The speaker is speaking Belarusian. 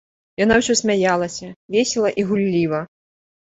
Яна ўсё смяялася, весела і гулліва.